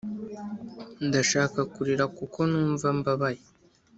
ndashaka kurira kuko numva mbabaye.